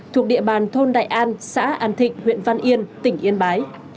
thuộc địa bàn thôn đại an xã an thịnh huyện văn yên tỉnh yên bái